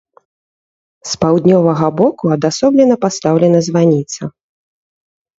З паўднёвага боку адасоблена пастаўлена званіца.